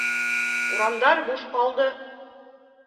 Урамдар буш ҡалды.